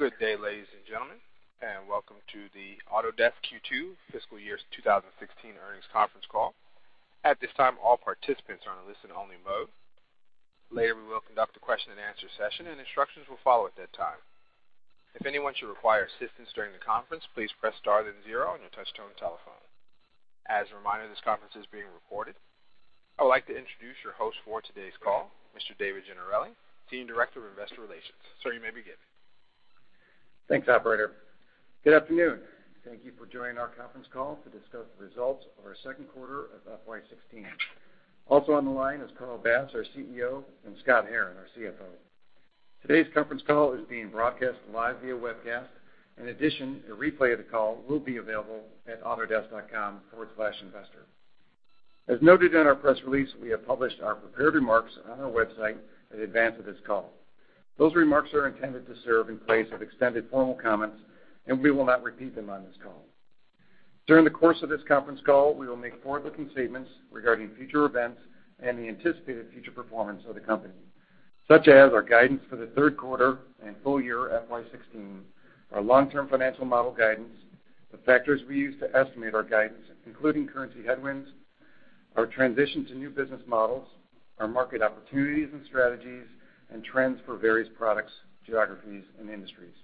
Good day, ladies and gentlemen, and welcome to the Autodesk Q2 fiscal year 2016 earnings conference call. At this time, all participants are on a listen-only mode. Later, we will conduct a question and answer session, and instructions will follow at that time. If anyone should require assistance during the conference, please press star then zero on your touch-tone telephone. As a reminder, this conference is being recorded. I would like to introduce your host for today's call, Mr. David Gennarelli, Director of Investor Relations. Sir, you may begin. Thanks, operator. Good afternoon. Thank you for joining our conference call to discuss the results of our second quarter of FY 2016. Also on the line is Carl Bass, our CEO, and Scott Herren, our CFO. Today's conference call is being broadcast live via webcast. In addition, a replay of the call will be available at autodesk.com/investor. As noted in our press release, we have published our prepared remarks on our website in advance of this call. Those remarks are intended to serve in place of extended formal comments. We will not repeat them on this call. During the course of this conference call, we will make forward-looking statements regarding future events and the anticipated future performance of the company, such as our guidance for the third quarter and full year FY 2016, our long-term financial model guidance, the factors we use to estimate our guidance, including currency headwinds, our transition to new business models, our market opportunities and strategies, trends for various products, geographies, and industries.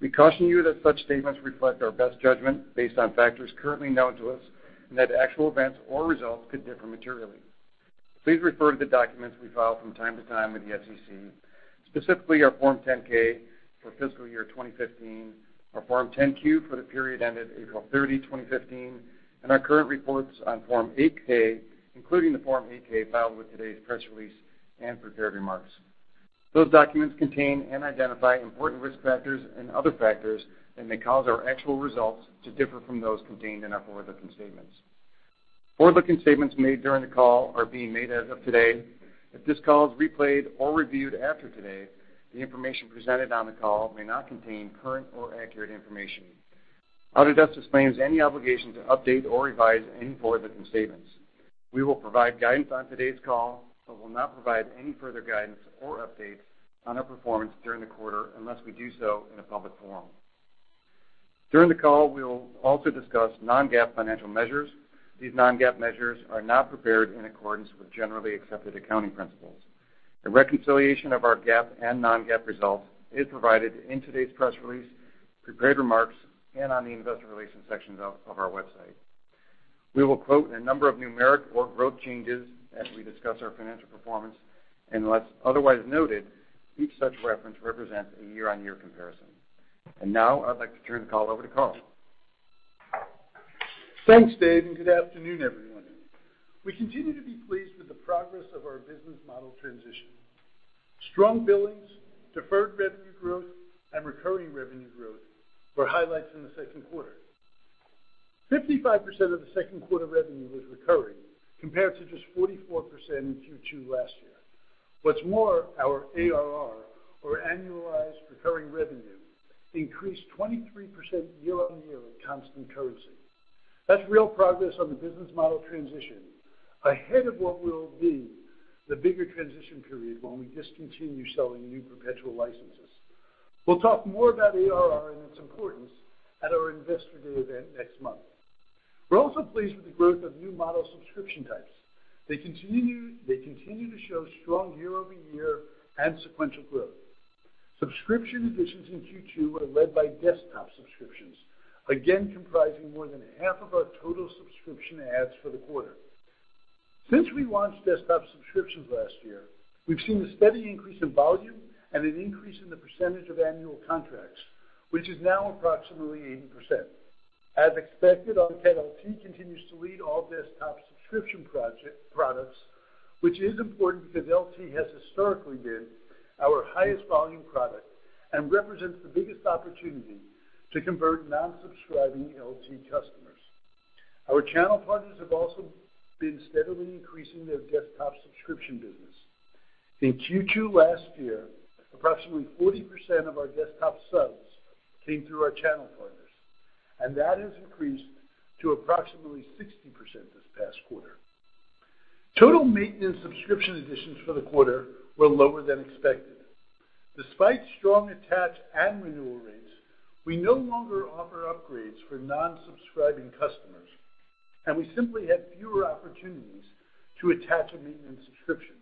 We caution you that such statements reflect our best judgment based on factors currently known to us. Actual events or results could differ materially. Please refer to the documents we file from time to time with the SEC, specifically our Form 10-K for fiscal year 2015, our Form 10-Q for the period ended April 30, 2015, and our current reports on Form 8-K, including the Form 8-K filed with today's press release and prepared remarks. Those documents contain and identify important risk factors and other factors that may cause our actual results to differ from those contained in our forward-looking statements. Forward-looking statements made during the call are being made as of today. If this call is replayed or reviewed after today, the information presented on the call may not contain current or accurate information. Autodesk disclaims any obligation to update or revise any forward-looking statements. We will provide guidance on today's call, will not provide any further guidance or updates on our performance during the quarter unless we do so in a public forum. During the call, we will also discuss non-GAAP financial measures. These non-GAAP measures are not prepared in accordance with generally accepted accounting principles. A reconciliation of our GAAP and non-GAAP results is provided in today's press release, prepared remarks, and on the investor relations section of our website. We will quote a number of numeric or growth changes as we discuss our financial performance, unless otherwise noted, each such reference represents a year-on-year comparison. Now, I'd like to turn the call over to Carl. Thanks, Dave, and good afternoon, everyone. We continue to be pleased with the progress of our business model transition. Strong billings, deferred revenue growth, and recurring revenue growth were highlights in the second quarter. 55% of the second quarter revenue was recurring, compared to just 44% in Q2 last year. What's more, our ARR, or annualized recurring revenue, increased 23% year-over-year at constant currency. That's real progress on the business model transition, ahead of what will be the bigger transition period when we discontinue selling new perpetual licenses. We'll talk more about ARR and its importance at our Investor Day event next month. We're also pleased with the growth of new model subscription types. They continue to show strong year-over-year and sequential growth. Subscription additions in Q2 were led by desktop subscriptions, again comprising more than half of our total subscription adds for the quarter. Since we launched desktop subscriptions last year, we've seen a steady increase in volume and an increase in the percentage of annual contracts, which is now approximately 80%. As expected, AutoCAD LT continues to lead all desktop subscription products, which is important because LT has historically been our highest volume product and represents the biggest opportunity to convert non-subscribing LT customers. Our channel partners have also been steadily increasing their desktop subscription business. In Q2 last year, approximately 40% of our desktop subs came through our channel partners. That has increased to approximately 60% this past quarter. Total maintenance subscription additions for the quarter were lower than expected. Despite strong attach and renewal rates, we no longer offer upgrades for non-subscribing customers. We simply had fewer opportunities to attach a maintenance subscription.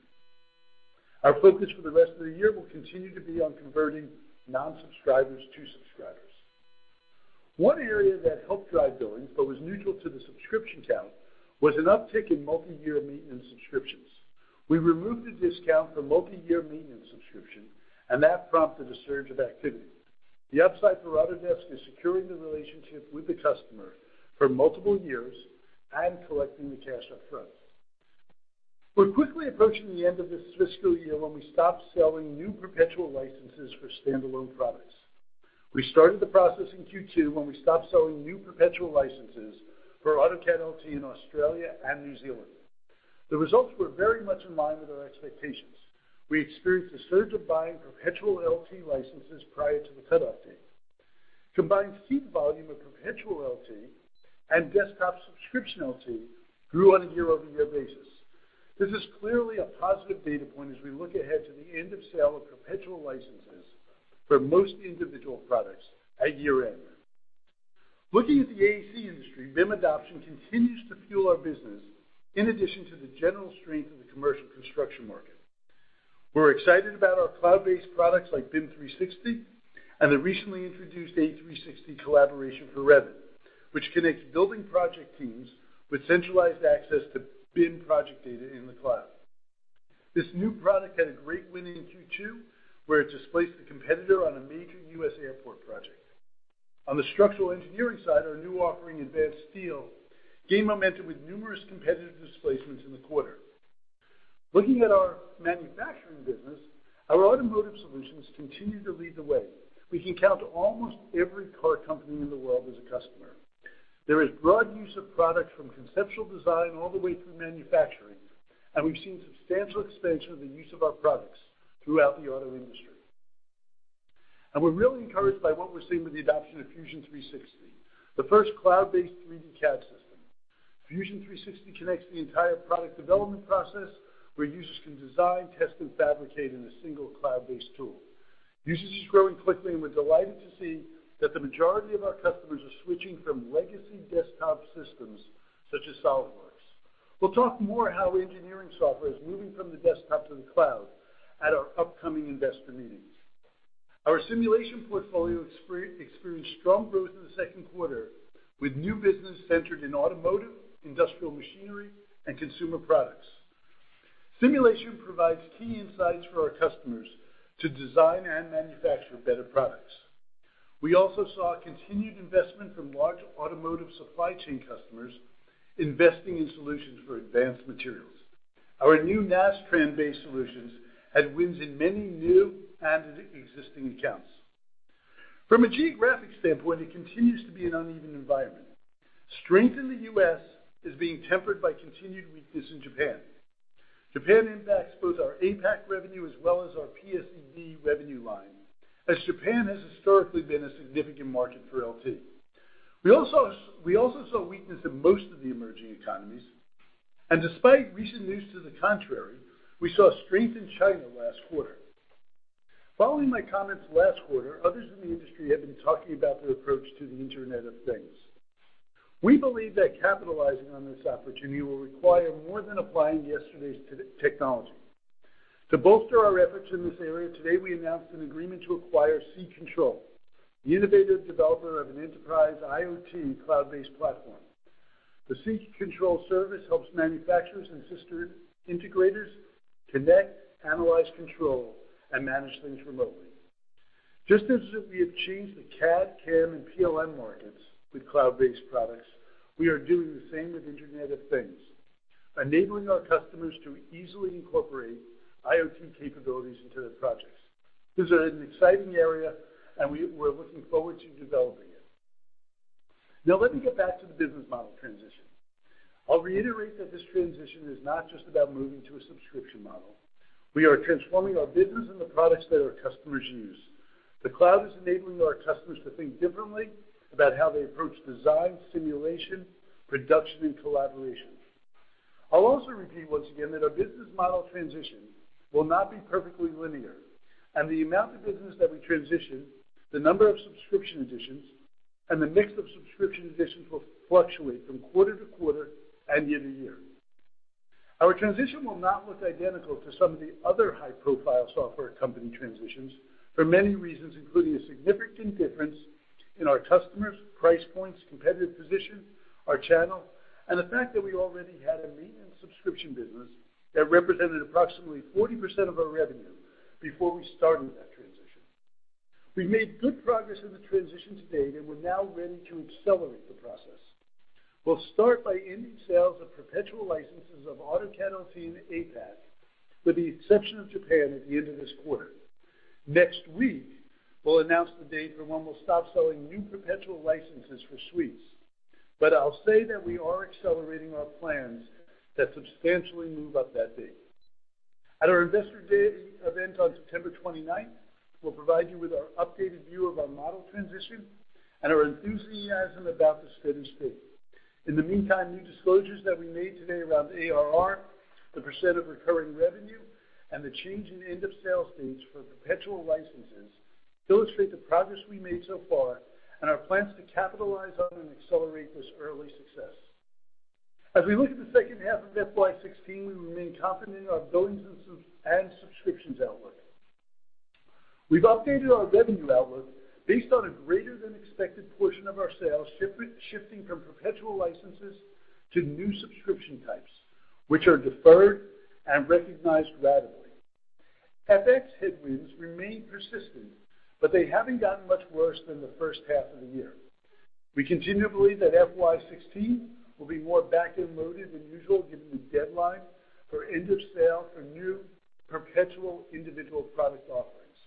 Our focus for the rest of the year will continue to be on converting non-subscribers to subscribers. One area that helped drive billings, but was neutral to the subscription count, was an uptick in multi-year maintenance subscriptions. We removed the discount for multi-year maintenance subscription. That prompted a surge of activity. The upside for Autodesk is securing the relationship with the customer for multiple years and collecting the cash up front. We're quickly approaching the end of this fiscal year when we stop selling new perpetual licenses for standalone products. We started the process in Q2 when we stopped selling new perpetual licenses for AutoCAD LT in Australia and New Zealand. The results were very much in line with our expectations. We experienced a surge of buying perpetual LT licenses prior to the cutoff date. Combined seat volume of perpetual LT and desktop subscription LT grew on a year-over-year basis. This is clearly a positive data point as we look ahead to the end-of-sale of perpetual licenses for most individual products at year-end. Looking at the AEC industry, BIM adoption continues to fuel our business in addition to the general strength of the commercial construction market. We're excited about our cloud-based products like BIM 360 and the recently introduced A360 Collaboration for Revit, which connects building project teams with centralized access to BIM project data in the cloud. This new product had a great win in Q2, where it displaced a competitor on a major U.S. airport project. On the structural engineering side, our new offering, Advance Steel, gained momentum with numerous competitive displacements in the quarter. Looking at our manufacturing business, our automotive solutions continue to lead the way. We can count almost every car company in the world as a customer. There is broad use of products from conceptual design all the way through manufacturing, we've seen substantial expansion of the use of our products throughout the auto industry. We're really encouraged by what we're seeing with the adoption of Fusion 360, the first cloud-based 3D CAD system. Fusion 360 connects the entire product development process, where users can design, test, and fabricate in a single cloud-based tool. Usage is growing quickly, we're delighted to see that the majority of our customers are switching from legacy desktop systems such as SolidWorks. We'll talk more how engineering software is moving from the desktop to the cloud at our upcoming investor meeting. Our simulation portfolio experienced strong growth in the second quarter with new business centered in automotive, industrial machinery, and consumer products. Simulation provides key insights for our customers to design and manufacture better products. We also saw a continued investment from large automotive supply chain customers investing in solutions for advanced materials. Our new Nastran-based solutions had wins in many new and existing accounts. From a geographic standpoint, it continues to be an uneven environment. Strength in the U.S. is being tempered by continued weakness in Japan. Japan impacts both our APAC revenue as well as our PSEB revenue line, as Japan has historically been a significant market for LT. We also saw weakness in most of the emerging economies. Despite recent news to the contrary, we saw strength in China last quarter. Following my comments last quarter, others in the industry have been talking about their approach to the Internet of Things. We believe that capitalizing on this opportunity will require more than applying yesterday's technology. To bolster our efforts in this area, today we announced an agreement to acquire SeeControl, the innovative developer of an enterprise IoT cloud-based platform. The SeeControl service helps manufacturers and system integrators connect, analyze, control, and manage things remotely. Just as we have changed the CAD, CAM, and PLM markets with cloud-based products, we are doing the same with Internet of Things, enabling our customers to easily incorporate IoT capabilities into their projects. This is an exciting area, we're looking forward to developing it. Now let me get back to the business model transition. I'll reiterate that this transition is not just about moving to a subscription model. We are transforming our business and the products that our customers use. The cloud is enabling our customers to think differently about how they approach design, simulation, production, and collaboration. I'll also repeat once again that our business model transition will not be perfectly linear, and the amount of business that we transition, the number of subscription additions, and the mix of subscription additions will fluctuate from quarter to quarter and year to year. Our transition will not look identical to some of the other high-profile software company transitions for many reasons, including a significant difference in our customers, price points, competitive position, our channel, and the fact that we already had a maintenance subscription business that represented approximately 40% of our revenue before we started that transition. We've made good progress in the transition to date, and we're now ready to accelerate the process. We'll start by ending sales of perpetual licenses of AutoCAD LT in APAC, with the exception of Japan at the end of this quarter. Next week, we'll announce the date for when we'll stop selling new perpetual licenses for suites. I'll say that we are accelerating our plans that substantially move up that date. At our investor day event on September 29th, we'll provide you with our updated view of our model transition and our enthusiasm about the steady state. In the meantime, new disclosures that we made today around ARR, the % of recurring revenue, and the change in end-of-sale dates for perpetual licenses illustrate the progress we made so far and our plans to capitalize on and accelerate this early success. As we look at the second half of FY 2016, we remain confident in our billings and subscriptions outlook. We've updated our revenue outlook based on a greater than expected portion of our sales shifting from perpetual licenses to new subscription types, which are deferred and recognized ratably. FX headwinds remain persistent, they haven't gotten much worse than the first half of the year. We continue to believe that FY 2016 will be more back-end loaded than usual given the deadline for end of sale for new perpetual individual product offerings.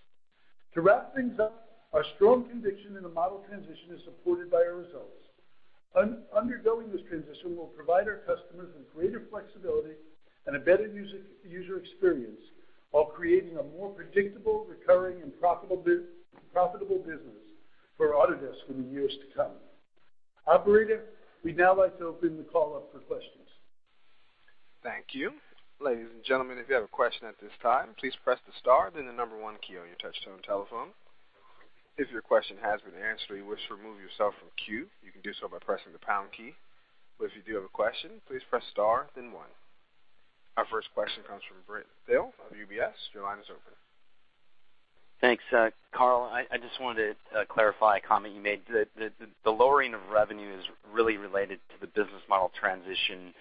To wrap things up, our strong conviction in the model transition is supported by our results. Undergoing this transition will provide our customers with greater flexibility and a better user experience, while creating a more predictable, recurring, and profitable business for Autodesk in the years to come. Operator, we'd now like to open the call up for questions. Thank you. Ladies and gentlemen, if you have a question at this time, please press the star then the number 1 key on your touch-tone telephone. If your question has been answered or you wish to remove yourself from queue, you can do so by pressing the pound key. If you do have a question, please press star then 1. Our first question comes from Brent Thill of UBS. Your line is open. Thanks, Carl. I just wanted to clarify a comment you made. The lowering of revenue is really related to the business model transition,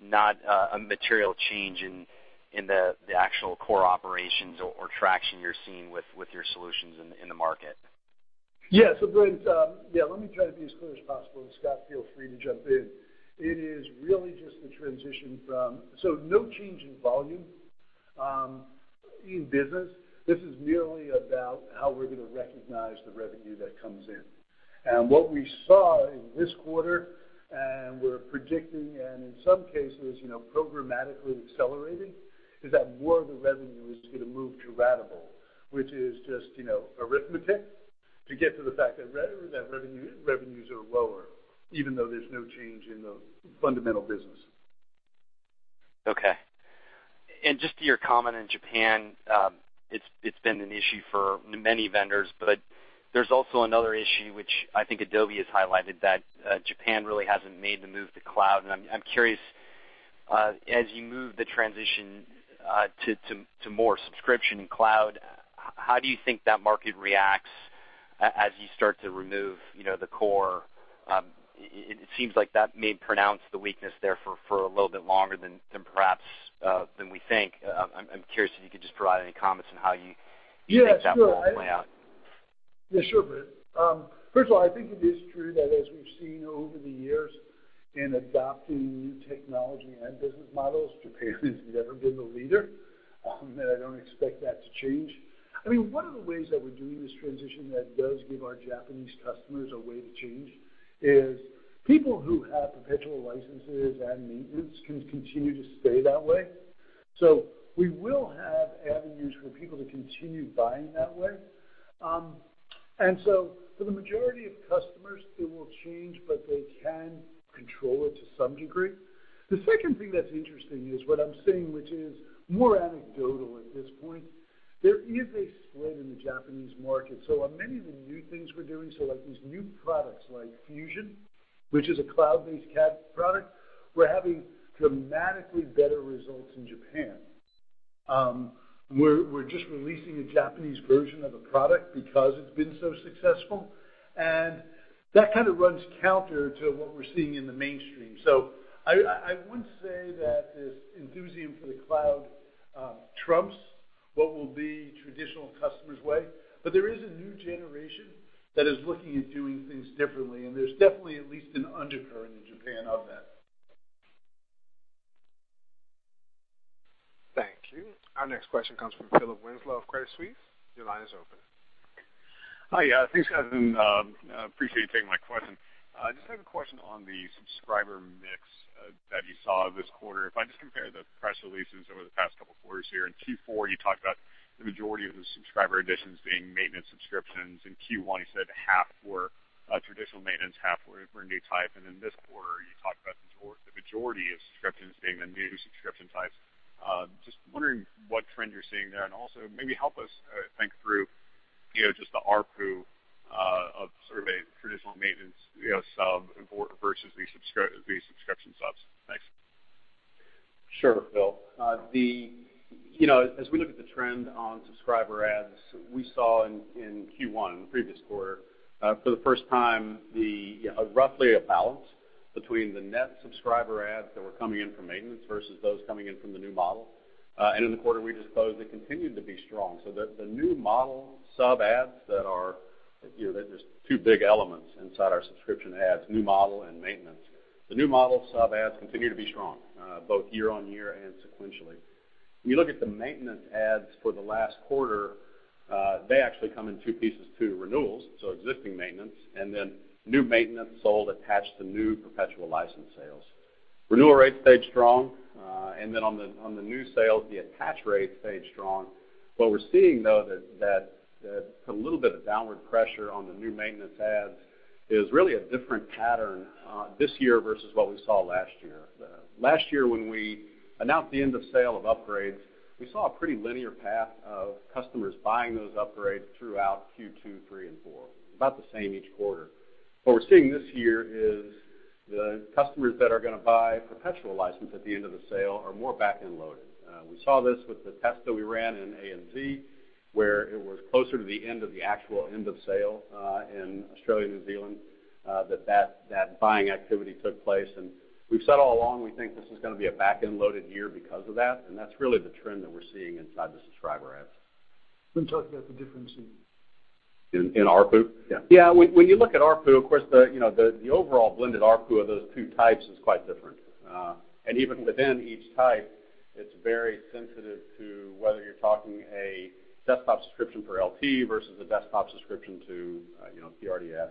not a material change in the actual core operations or traction you're seeing with your solutions in the market. Yes, Brent, let me try to be as clear as possible, and Scott, feel free to jump in. No change in volume in business. This is merely about how we're going to recognize the revenue that comes in. What we saw in this quarter, and we're predicting, and in some cases programmatically accelerating, is that more of the revenue is going to move to ratable, which is just arithmetic to get to the fact that revenues are lower, even though there's no change in the fundamental business. Okay. Just to your comment in Japan, it's been an issue for many vendors, but there's also another issue, which I think Adobe has highlighted, that Japan really hasn't made the move to cloud. I'm curious, as you move the transition to more subscription and cloud, how do you think that market reacts as you start to remove the core? It seems like that may pronounce the weakness there for a little bit longer than perhaps, we think. I'm curious if you could just provide any comments on how you- Yeah How you think that role will play out. Yeah, sure, Brent. First of all, I think it is true that as we've seen over the years in adopting new technology and business models, Japan has never been the leader. I don't expect that to change. One of the ways that we're doing this transition that does give our Japanese customers a way to change is people who have perpetual licenses and maintenance can continue to stay that way. We will have avenues for people to continue buying that way. For the majority of customers, it will change, but they can control it to some degree. The second thing that's interesting is what I'm seeing, which is more anecdotal at this point. There is a split in the Japanese market. On many of the new things we're doing, like these new products like Fusion, which is a cloud-based CAD product, we're having dramatically better results in Japan. We're just releasing a Japanese version of a product because it's been so successful, and that kind of runs counter to what we're seeing in the mainstream. I wouldn't say that this enthusiasm for the cloud trumps what will be traditional customers' way. There is a new generation that is looking at doing things differently, and there's definitely at least an undercurrent in Japan of that. Thank you. Our next question comes from Philip Winslow of Credit Suisse. Your line is open. Hi. Thanks, guys, and appreciate you taking my question. I just have a question on the subscriber mix that you saw this quarter. If I just compare the press releases over the past couple of quarters here. In Q4, you talked about the majority of the subscriber additions being maintenance subscriptions. In Q1, you said half were traditional maintenance, half were new type. In this quarter, you talked about the majority of subscriptions being the new subscription types. Just wondering what trend you're seeing there, and also maybe help us think through just the ARPU of sort of a traditional maintenance sub versus the subscription subs. Thanks. Sure, Phil. As we look at the trend on subscriber adds, we saw in Q1, in the previous quarter, for the first time, roughly a balance between the net subscriber adds that were coming in from maintenance versus those coming in from the new model. In the quarter we just closed, it continued to be strong. The new model sub adds. There's two big elements inside our subscription adds, new model and maintenance. The new model sub adds continue to be strong both year-on-year and sequentially. When you look at the maintenance adds for the last quarter, they actually come in two pieces, too, renewals, so existing maintenance, and then new maintenance sold attached to new perpetual license sales. Renewal rates stayed strong. On the new sales, the attach rates stayed strong. What we're seeing, though, that put a little bit of downward pressure on the new maintenance adds is really a different pattern this year versus what we saw last year. Last year when we announced the end of sale of upgrades, we saw a pretty linear path of customers buying those upgrades throughout Q2, Q3, and Q4, about the same each quarter. What we're seeing this year is the customers that are going to buy a perpetual license at the end of the sale are more back-end loaded. We saw this with the test that we ran in ANZ, where it was closer to the end of the actual end of sale in Australia and New Zealand that buying activity took place. We've said all along, we think this is going to be a back-end loaded year because of that. That's really the trend that we're seeing inside the subscriber adds. Can you talk about the difference in. In ARPU? Yeah. Yeah. When you look at ARPU, of course the overall blended ARPU of those 2 types is quite different. Even within each type, it's very sensitive to whether you're talking a desktop subscription for LT versus a desktop subscription to PRDS.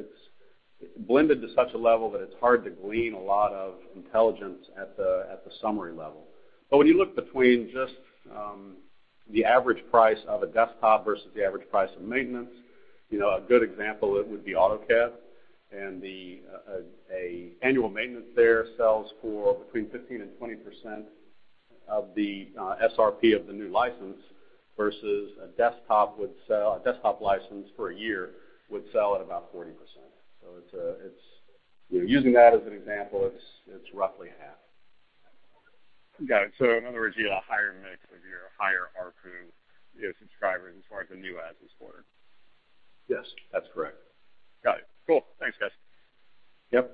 It's blended to such a level that it's hard to glean a lot of intelligence at the summary level. When you look between just the average price of a desktop versus the average price of maintenance, a good example would be AutoCAD, and the annual maintenance there sells for between 15%-20% of the SRP of the new license, versus a desktop license for a year would sell at about 40%. Using that as an example, it's roughly half. Got it. In other words, you get a higher mix of your higher ARPU subscribers as far as the new adds this quarter. Yes, that's correct. Got it. Cool. Thanks, guys. Yep.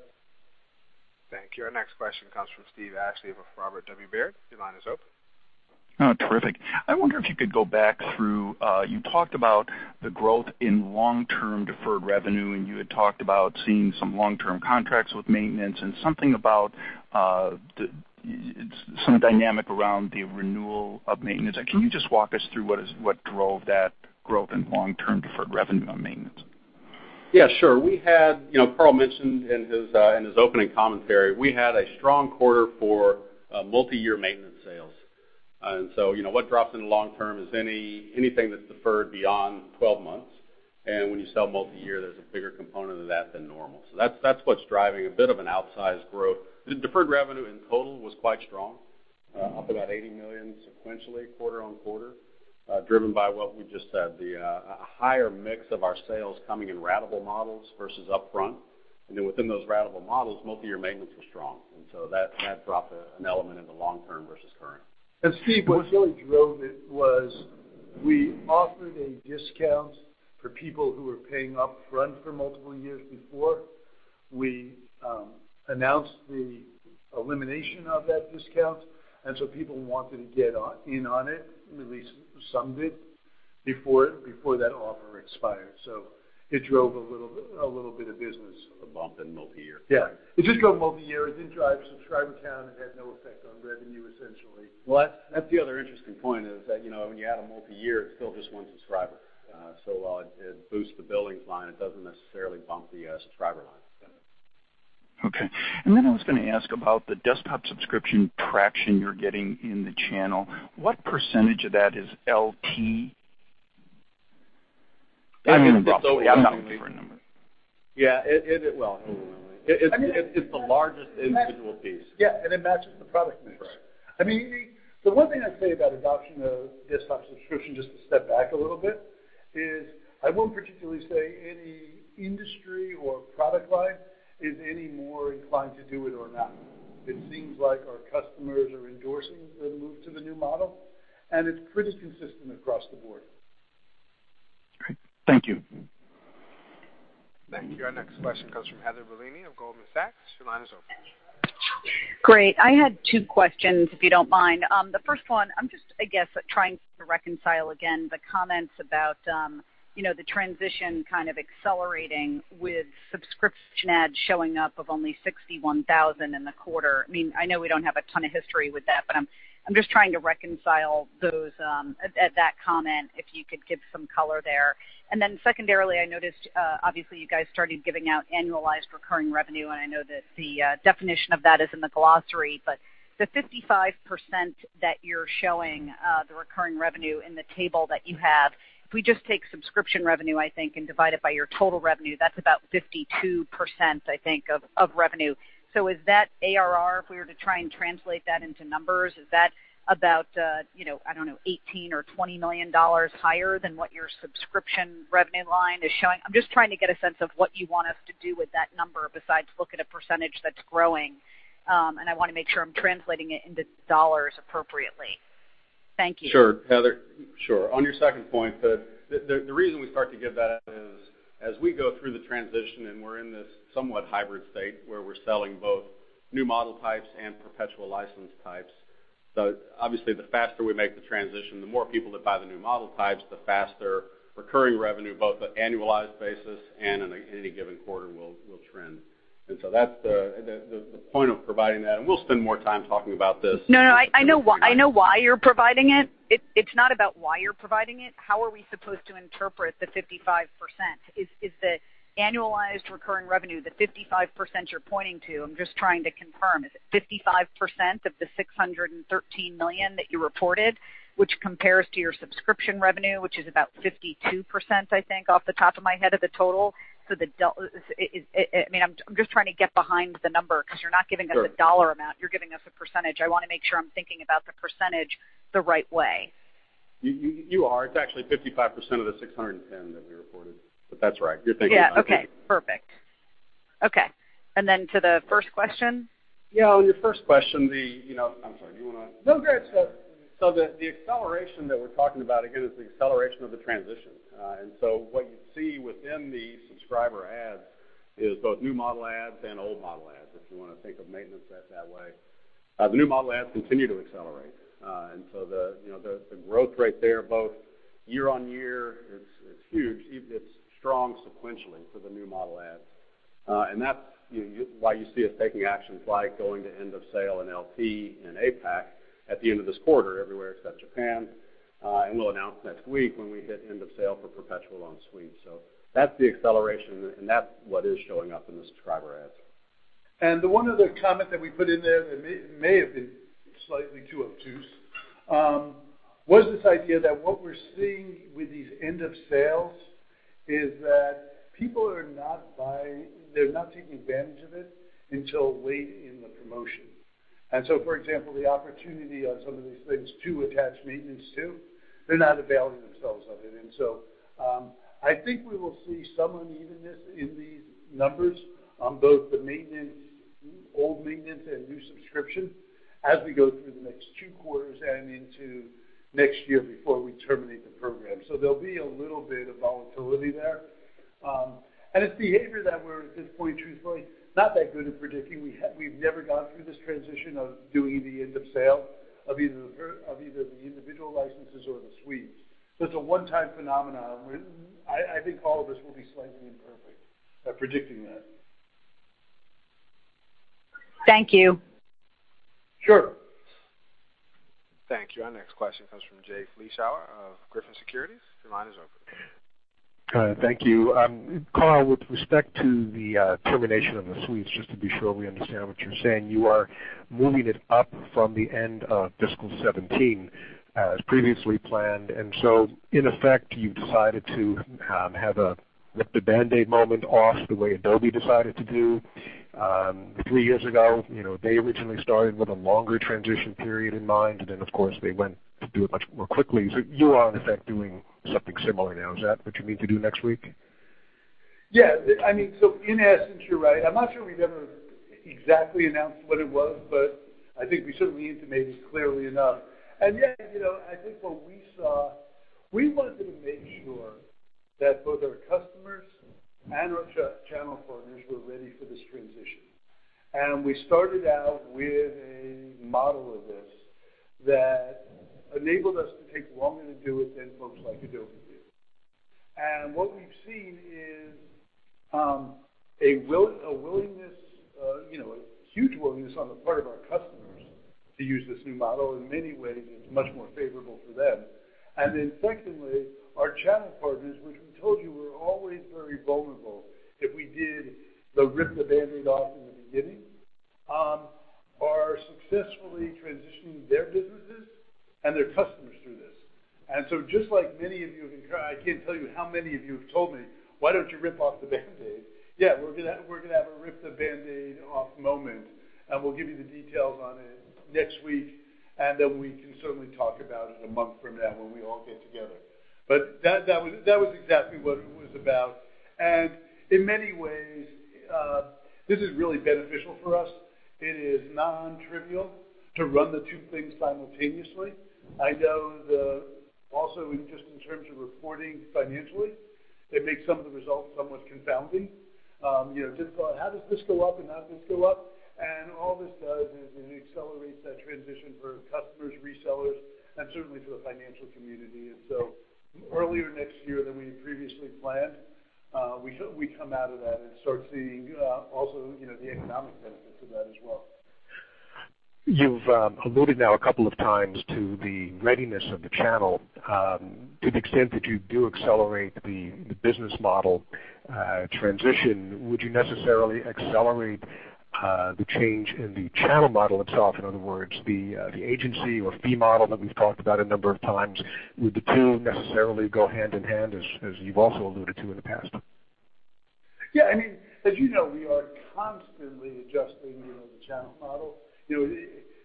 Thank you. Our next question comes from Steve Ashley with Robert W. Baird. Your line is open. Terrific. I wonder if you could go back through, you talked about the growth in long-term deferred revenue. You had talked about seeing some long-term contracts with maintenance, something about some dynamic around the renewal of maintenance. Can you just walk us through what drove that growth in long-term deferred revenue on maintenance? Yeah, sure. Carl mentioned in his opening commentary, we had a strong quarter for multi-year maintenance sales. What drops into long term is anything that's deferred beyond 12 months. When you sell multi-year, there's a bigger component of that than normal. That's what's driving a bit of an outsized growth. The deferred revenue in total was quite strong, up about $80 million sequentially quarter-on-quarter, driven by what we just said, the higher mix of our sales coming in ratable models versus upfront. Within those ratable models, multi-year maintenance was strong. That dropped an element in the long term versus current. Steve, what really drove it was we offered a discount for people who were paying upfront for multiple years before. We announced the elimination of that discount. People wanted to get in on it, at least some did, before that offer expired. It drove a little bit of business. A bump in multi-year. Yeah. It did go multi-year. It didn't drive subscriber count. It had no effect on revenue, essentially. Well, that's the other interesting point is that when you add a multi-year, it's still just one subscriber. While it boosts the billings line, it doesn't necessarily bump the subscriber line. Okay. I was going to ask about the desktop subscription traction you're getting in the channel. What % of that is LT? I'm looking for a number. Yeah. Well, it's the largest individual piece. Yeah. It matches the product mix. Right. The one thing I'd say about adoption of desktop subscription, just to step back a little bit, is I won't particularly say any industry or product line is any more inclined to do it or not. It seems like our customers are endorsing the move to the new model, and it's pretty consistent across the board. Great. Thank you. Thank you. Our next question comes from Heather Bellini of Goldman Sachs. Your line is open. Great. I had two questions, if you don't mind. The first one, I'm just, I guess, trying to reconcile again the comments about the transition kind of accelerating with subscription adds showing up of only 61,000 in the quarter. I know we don't have a ton of history with that, but I'm just trying to reconcile that comment, if you could give some color there. Secondarily, I noticed, obviously, you guys started giving out annualized recurring revenue, and I know that the definition of that is in the glossary, but the 55% that you're showing, the recurring revenue in the table that you have, if we just take subscription revenue, I think, and divide it by your total revenue, that's about 52%, I think, of revenue. Is that ARR, if we were to try and translate that into numbers? Is that about, I don't know, $18 or $20 million higher than what your subscription revenue line is showing? I'm just trying to get a sense of what you want us to do with that number besides look at a percentage that's growing. I want to make sure I'm translating it into dollars appropriately. Thank you. Sure, Heather. Sure. On your second point, the reason we start to give that out is as we go through the transition, and we're in this somewhat hybrid state where we're selling both new model types and perpetual license types. Obviously, the faster we make the transition, the more people that buy the new model types, the faster recurring revenue, both the annualized basis and in any given quarter will trend. That's the point of providing that, and we'll spend more time talking about this. I know why you're providing it. It's not about why you're providing it. How are we supposed to interpret the 55%? Is the annualized recurring revenue the 55% you're pointing to? I'm just trying to confirm. Is it 55% of the $613 million that you reported, which compares to your subscription revenue, which is about 52%, I think, off the top of my head of the total? I'm just trying to get behind the number because you're not giving us a dollar amount. You're giving us a percentage. I want to make sure I'm thinking about the percentage the right way. You are. It's actually 55% of the $610 that we reported, that's right. You're thinking about it. Yeah. Okay, perfect. Okay, to the first question? Yeah, on your first question, I'm sorry, do you want to? No, go ahead. The acceleration that we're talking about here is the acceleration of the transition. What you see within the subscriber adds is both new model adds and old model adds, if you want to think of maintenance that way. The new model adds continue to accelerate. The growth rate there both year-on-year, it's huge. It's strong sequentially for the new model adds. That's why you see us taking actions like going to end of sale in LT and APAC at the end of this quarter, everywhere except Japan. We'll announce next week when we hit end of sale for perpetual on suite. That's the acceleration, and that's what is showing up in the subscriber adds. The one other comment that we put in there that may have been slightly too obtuse, was this idea that what we're seeing with these end of sales is that people are not taking advantage of it until late in the promotion. For example, the opportunity on some of these things to attach maintenance too, they're not availing themselves of it. I think we will see some unevenness in these numbers on both the old maintenance and new subscription, as we go through the next two quarters and into next year before we terminate the program. They'll be a little bit of volatility there. It's behavior that we're, at this point, truthfully, not that good at predicting. We've never gone through this transition of doing the end of sale of either the individual licenses or the suites. It's a one-time phenomenon. I think all of us will be slightly imperfect at predicting that. Thank you. Sure. Thank you. Our next question comes from Jay Vleeschhouwer of Griffin Securities. Your line is open. Thank you. Carl, with respect to the termination of the suites, just to be sure we understand what you're saying, you are moving it up from the end of fiscal 2017, as previously planned. In effect, you've decided to have a rip the Band-Aid moment off, the way Adobe decided to do three years ago. They originally started with a longer transition period in mind, Of course, they went to do it much more quickly. You are, in effect, doing something similar now. Is that what you mean to do next week? In essence, you're right. I'm not sure we've ever exactly announced what it was, but I think we certainly intimated it clearly enough. I think what we saw, we wanted to make sure that both our customers and our channel partners were ready for this transition. We started out with a model of this that enabled us to take longer to do it than folks like Adobe did. What we've seen is a huge willingness on the part of our customers to use this new model. In many ways, it's much more favorable for them. Then secondly, our channel partners, which we told you were always very vulnerable if we did the rip the Band-Aid off in the beginning, are successfully transitioning their businesses and their customers through this. Just like many of you, I can't tell you how many of you have told me, "Why don't you rip off the Band-Aid?" We're going to have a rip the Band-Aid off moment, we'll give you the details on it next week, then we can certainly talk about it a month from now when we all get together. That was exactly what it was about. In many ways, this is really beneficial for us. It is non-trivial to run the two things simultaneously. I know also, just in terms of reporting financially, it makes some of the results somewhat confounding. How does this go up, and how does this go up? All this does is it accelerates that transition for customers, resellers, and certainly for the financial community. Earlier next year than we had previously planned, we come out of that and start seeing also the economic benefits of that as well. You've alluded now a couple of times to the readiness of the channel. To the extent that you do accelerate the business model transition, would you necessarily accelerate the change in the channel model itself? In other words, the agency or fee model that we've talked about a number of times. Would the two necessarily go hand in hand, as you've also alluded to in the past? Yeah. As you know, we are constantly adjusting the channel model.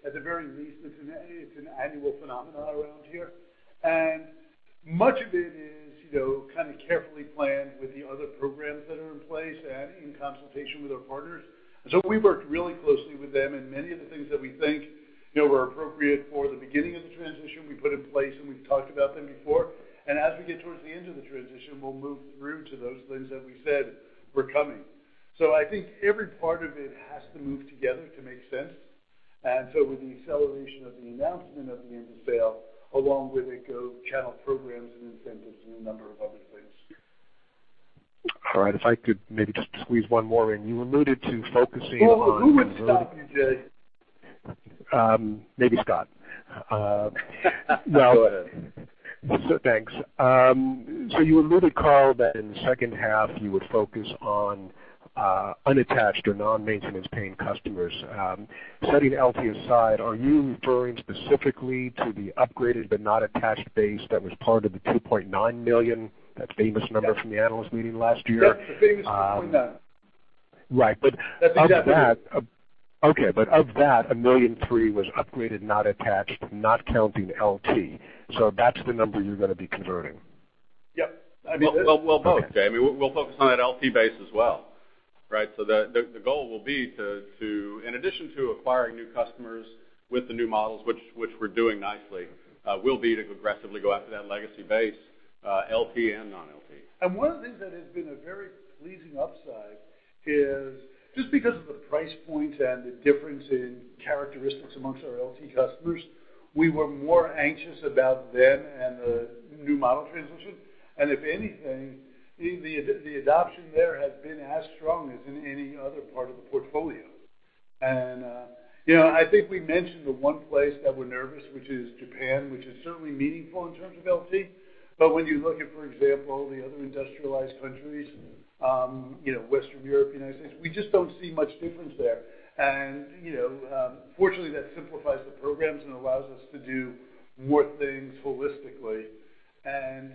At the very least, it's an annual phenomenon around here, and much of it is carefully planned with the other programs that are in place and in consultation with our partners. We've worked really closely with them, and many of the things that we think were appropriate for the beginning of the transition, we put in place, and we've talked about them before. As we get towards the end of the transition, we'll move through to those things that we said were coming. I think every part of it has to move together to make sense. With the acceleration of the announcement of the end of sale, along with it go channel programs and incentives and a number of other things. All right. If I could maybe just squeeze one more in. You alluded to focusing on- Well, who would stop me, Jay? Maybe Scott. Go ahead. Thanks. You alluded, Carl, that in the second half, you would focus on unattached or non-maintenance paying customers. Setting LT aside, are you referring specifically to the upgraded but not attached base that was part of the $2.9 million, that famous number from the analyst meeting last year? Yes, the famous $2.9. Right. That's exactly it. Of that, 1.3 million was upgraded, not attached, not counting LT. That's the number you're going to be converting? Yep. Well, both, Jay. We'll focus on that LT base as well, right? The goal will be to, in addition to acquiring new customers with the new models, which we're doing nicely, will be to aggressively go after that legacy base, LT and non-LT. One of the things that has been a very pleasing upside Is just because of the price point and the difference in characteristics amongst our LT customers, we were more anxious about them and the new model transition. If anything, the adoption there has been as strong as in any other part of the portfolio. I think we mentioned the one place that we're nervous, which is Japan, which is certainly meaningful in terms of LT. When you look at, for example, the other industrialized countries, Western Europe, United States, we just don't see much difference there. Fortunately, that simplifies the programs and allows us to do more things holistically and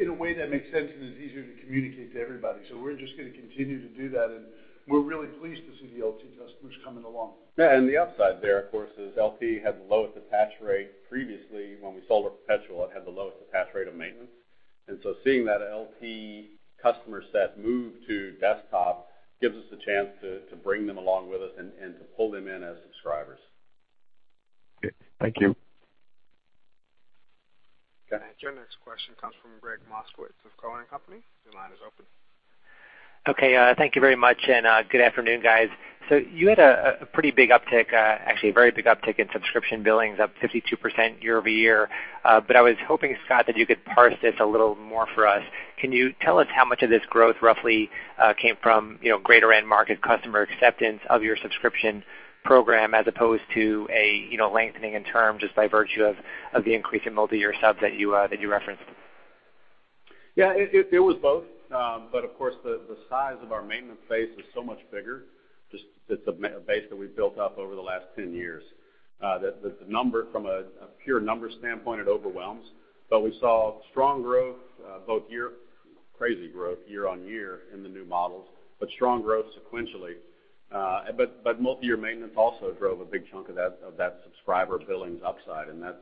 in a way that makes sense and is easier to communicate to everybody. We're just going to continue to do that, and we're really pleased to see the LT customers coming along. Yeah, the upside there, of course, is LT had the lowest attach rate previously. When we sold it perpetual, it had the lowest attach rate of maintenance. Seeing that LT customer set move to desktop gives us the chance to bring them along with us and to pull them in as subscribers. Okay. Thank you. Go ahead. Your next question comes from Gregg Moskowitz of Cowen and Company. Your line is open. Okay, thank you very much, good afternoon, guys. You had a pretty big uptick, actually, a very big uptick in subscription billings, up 52% year-over-year. I was hoping, Scott, that you could parse this a little more for us. Can you tell us how much of this growth roughly came from greater end market customer acceptance of your subscription program as opposed to a lengthening in term just by virtue of the increase in multi-year subs that you referenced? Yeah, it was both. Of course, the size of our maintenance base is so much bigger. It's a base that we've built up over the last 10 years. The number from a pure numbers standpoint, it overwhelms. We saw strong growth, both year, crazy growth year-on-year in the new models, but strong growth sequentially. Multi-year maintenance also drove a big chunk of that subscriber billings upside, and that's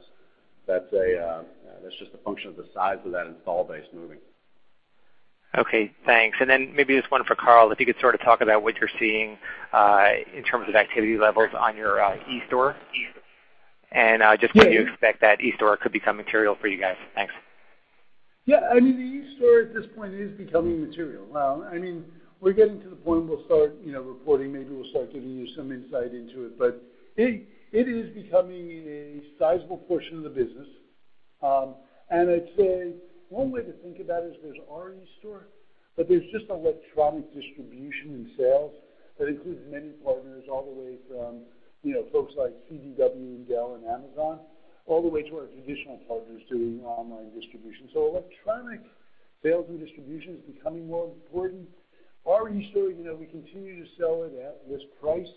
just a function of the size of that install base moving. Okay, thanks. Then maybe just one for Carl. If you could sort of talk about what you're seeing in terms of activity levels on your eStore. eStore. Just when you expect that eStore could become material for you guys. Thanks. Yeah. I mean, the eStore at this point is becoming material. We're getting to the point we'll start reporting, maybe we'll start giving you some insight into it, but it is becoming a sizable portion of the business. I'd say one way to think about it is there's our eStore, but there's just electronic distribution and sales that includes many partners, all the way from folks like CDW and Dell and Amazon, all the way to our traditional partners doing online distribution. Electronic sales and distribution is becoming more important. Our eStore, we continue to sell it at this price,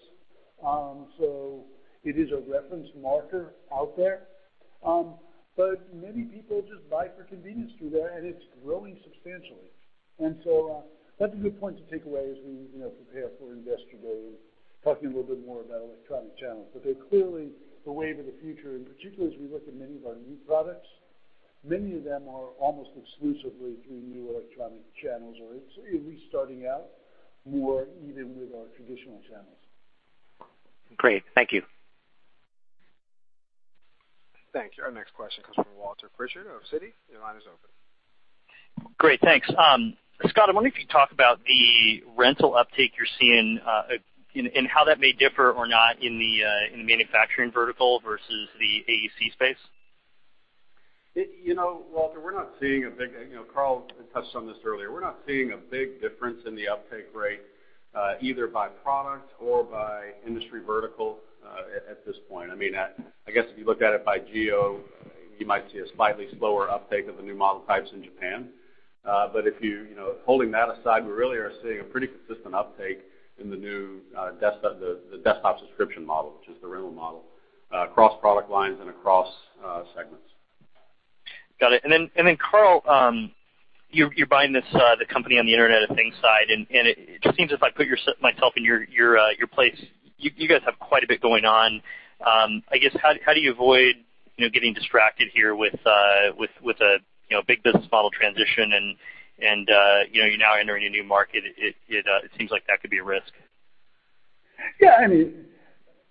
so it is a reference marker out there. Many people just buy for convenience through there, and it's growing substantially. That's a good point to take away as we prepare for Investor Day and talking a little bit more about electronic channels. They're clearly the way of the future. Particularly as we look at many of our new products, many of them are almost exclusively through new electronic channels, or at least starting out more even with our traditional channels. Great. Thank you. Thank you. Our next question comes from Walter Pritchard of Citi. Your line is open. Great. Thanks. Scott, I wonder if you talk about the rental uptake you're seeing, and how that may differ or not in the manufacturing vertical versus the AEC space. Walter, we're not seeing a big difference in the uptake rate, either by product or by industry vertical at this point. I guess if you look at it by geo, you might see a slightly slower uptake of the new model types in Japan. Holding that aside, we really are seeing a pretty consistent uptake in the new desktop subscription model, which is the rental model, across product lines and across segments. Got it. Carl, you're buying the company on the Internet of Things side, and it seems, as I put myself in your place, you guys have quite a bit going on. I guess, how do you avoid getting distracted here with a big business model transition and you're now entering a new market? It seems like that could be a risk. Yeah.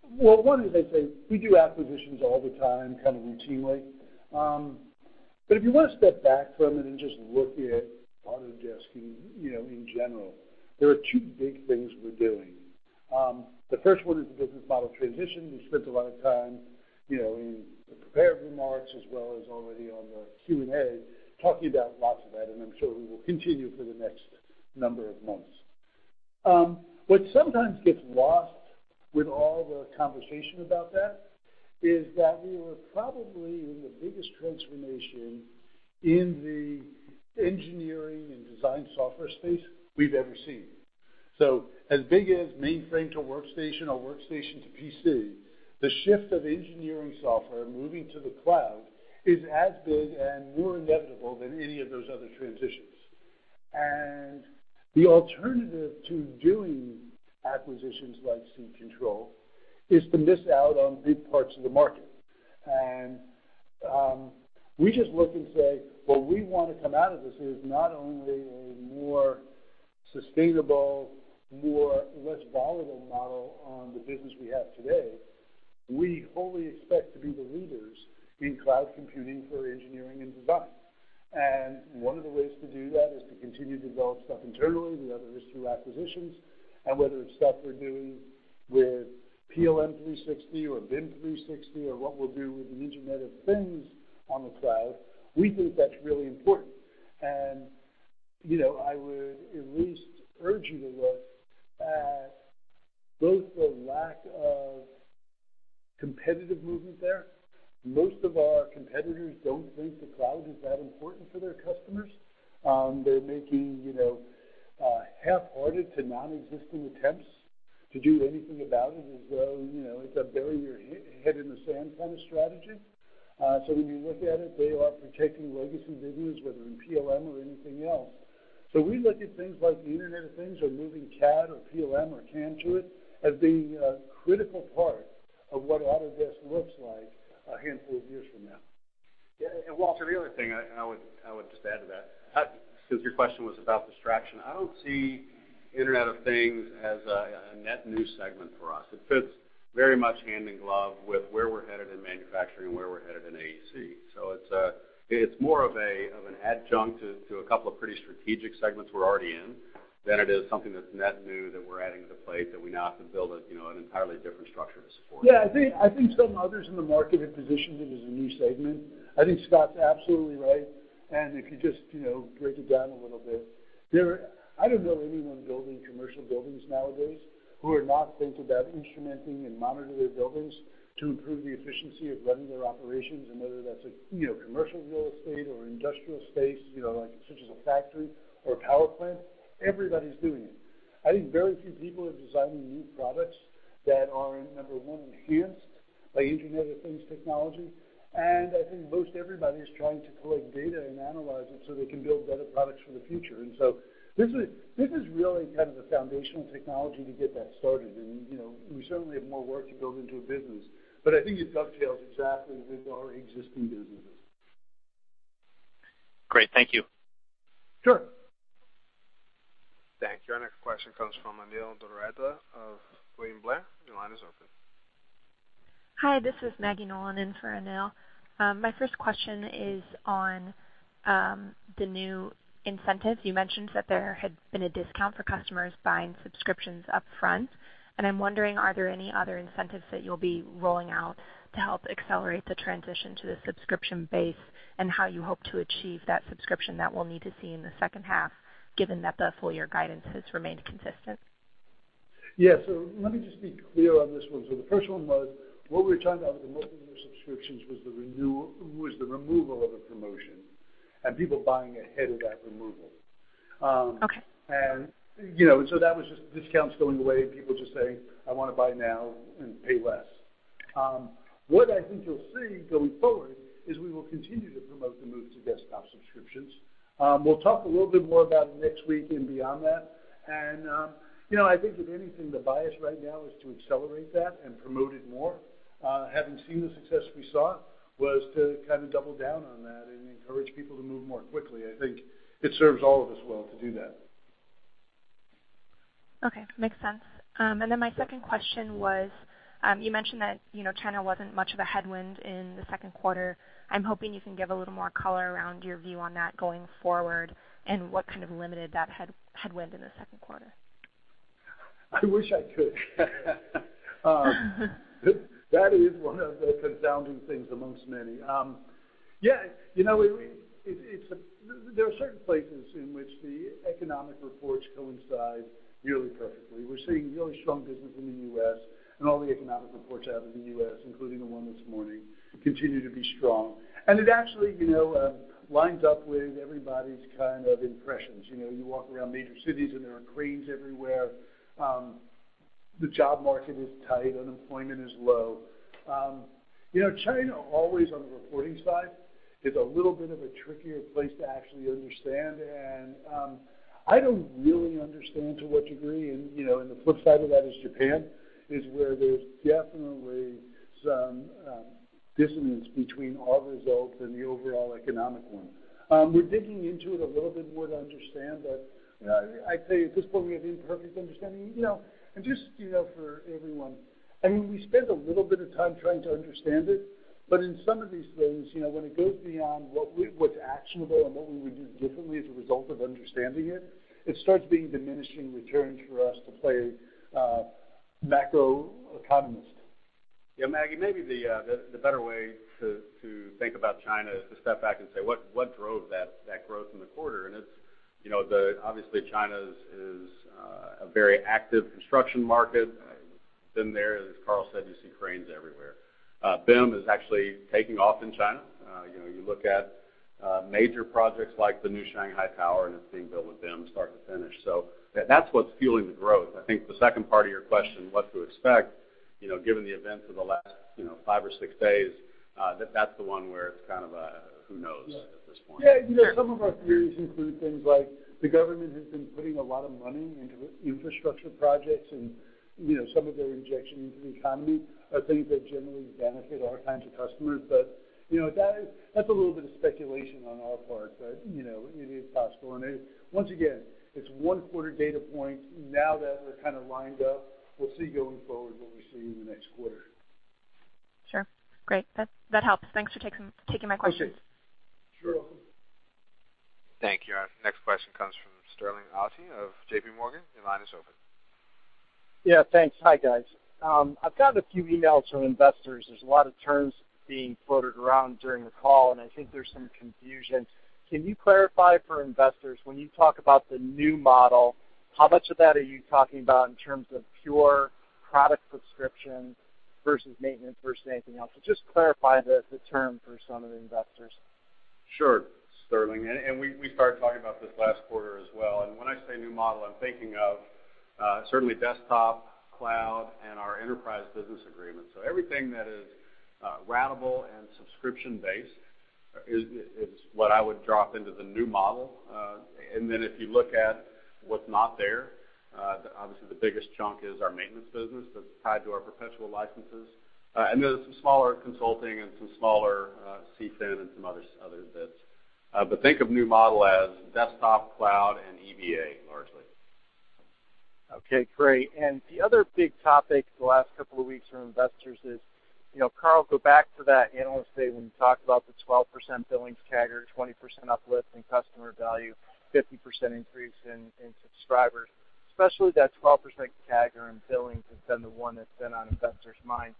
Well, one is, I say we do acquisitions all the time, kind of routinely. If you want to step back from it and just look at Autodesk in general, there are two big things we're doing. The first one is the business model transition. We spent a lot of time in the prepared remarks as well as already on the Q&A talking about lots of that, and I'm sure we will continue for the next number of months. What sometimes gets lost with all the conversation about that is that we were probably in the biggest transformation in the engineering and design software space we've ever seen. As big as mainframe to workstation or workstation to PC, the shift of engineering software moving to the cloud is as big and more inevitable than any of those other transitions. The alternative to doing acquisitions like SeeControl is to miss out on big parts of the market. We just look and say, what we want to come out of this is not only a more sustainable, less volatile model on the business we have today. We wholly expect to be the leaders in cloud computing for engineering and design. One of the ways to do that is to continue to develop stuff internally. The other is through acquisitions. Whether it's stuff we're doing with PLM 360 or BIM 360 or what we'll do with the Internet of Things on the cloud, we think that's really important. I would at least urge you to look at both the lack of competitive movement there. Most of our competitors don't think the cloud is that important for their customers. They're making half-hearted to non-existing attempts to do anything about it, as though it's a bury-your-head-in-the-sand kind of strategy. When you look at it, they are protecting legacy business, whether in PLM or anything else. We look at things like the Internet of Things or moving CAD or PLM or CAM to it as being a critical part of what Autodesk looks like a handful of years from now. Yeah. Walter, the other thing I would just add to that, since your question was about distraction, I don't see Internet of Things as a net new segment for us. It fits very much hand in glove with where we're headed in manufacturing and where we're headed in AEC. It's more of an adjunct to a couple of pretty strategic segments we're already in than it is something that's net new that we're adding to the plate that we now have to build an entirely different structure to support. Yeah, I think some others in the market have positioned it as a new segment. I think Scott's absolutely right, if you just break it down a little bit. I don't know anyone building commercial buildings nowadays who are not thinking about instrumenting and monitoring their buildings to improve the efficiency of running their operations, whether that's a commercial real estate or industrial space such as a factory or a power plant, everybody's doing it. I think very few people are designing new products that are, number 1, enhanced by Internet of Things technology, I think most everybody is trying to collect data and analyze it so they can build better products for the future. This is really kind of the foundational technology to get that started, we certainly have more work to build into a business. I think it dovetails exactly with our existing businesses. Great. Thank you. Sure. Thank you. Our next question comes from Anil Doradla of William Blair. Your line is open. Hi, this is Maggie Nolan in for Anil. My first question is on the new incentives. You mentioned that there had been a discount for customers buying subscriptions upfront, and I'm wondering, are there any other incentives that you'll be rolling out to help accelerate the transition to the subscription base, and how you hope to achieve that subscription that we'll need to see in the second half, given that the full-year guidance has remained consistent? Yeah. Let me just be clear on this one. The first one was what we were talking about with the mobile user subscriptions was the removal of a promotion, and people buying ahead of that removal. Okay. That was just discounts going away, people just saying, "I want to buy now and pay less." What I think you'll see going forward is we will continue to promote the move to desktop subscriptions. We'll talk a little bit more about it next week and beyond that. I think if anything, the bias right now is to accelerate that and promote it more. Having seen the success we saw was to kind of double down on that and encourage people to move more quickly. I think it serves all of us well to do that. Okay. Makes sense. My second question was, you mentioned that China wasn't much of a headwind in the second quarter. I'm hoping you can give a little more color around your view on that going forward, and what kind of limited that headwind in the second quarter. I wish I could. That is one of the confounding things amongst many. There are certain places in which the economic reports coincide nearly perfectly. We're seeing really strong business in the U.S., and all the economic reports out of the U.S., including the one this morning, continue to be strong. It actually lines up with everybody's kind of impressions. You walk around major cities, and there are cranes everywhere. The job market is tight. Unemployment is low. China always on the reporting side is a little bit of a trickier place to actually understand, and I don't really understand to what degree. The flip side of that is Japan is where there's definitely some dissonance between our results and the overall economic one. We're digging into it a little bit more to understand, but I'd say at this point, we have imperfect understanding. Just for everyone, we spent a little bit of time trying to understand it, but in some of these things, when it goes beyond what's actionable and what we would do differently as a result of understanding it starts being diminishing returns for us to play macroeconomist. Yeah, Maggie, maybe the better way to think about China is to step back and say, what drove that growth in the quarter? Obviously China is a very active construction market. Been there. As Carl said, you see cranes everywhere. BIM is actually taking off in China. You look at major projects like the new Shanghai Tower, and it's being built with BIM start to finish. That's what's fueling the growth. I think the second part of your question, what to expect, given the events of the last five or six days, that's the one where it's kind of a who knows at this point. Yeah. Some of our theories include things like the government has been putting a lot of money into infrastructure projects, and some of their injection into the economy are things that generally benefit our kinds of customers. That's a little bit of speculation on our part. It is possible. Once again, it's one quarter data point. Now that we're kind of lined up, we'll see going forward what we see in the next quarter. Sure. Great. That helps. Thanks for taking my questions. Appreciate it. Sure. Thank you. Our next question comes from Sterling Auty of JP Morgan. Your line is open. Yeah, thanks. Hi, guys. I have got a few emails from investors. There is a lot of terms being floated around during the call, and I think there is some confusion. Can you clarify for investors, when you talk about the new model, how much of that are you talking about in terms of pure product subscription versus maintenance versus anything else? Just clarify the term for some of the investors. Sure, Sterling. We started talking about this last quarter as well. When I say new model, I am thinking of certainly desktop, cloud, and our enterprise business agreements. Everything that is ratable and subscription-based is what I would drop into the new model. Then if you look at what is not there, obviously the biggest chunk is our maintenance business that is tied to our perpetual licenses. Then there is some smaller consulting and some smaller CFD and some other bits. Think of new model as desktop, cloud, and EBA, largely. Okay, great. The other big topic the last couple of weeks from investors is, Carl, go back to that Analyst Day when you talked about the 12% billings CAGR, 20% uplift in customer value, 15% increase in subscribers, especially that 12% CAGR in billings has been the one that has been on investors' minds.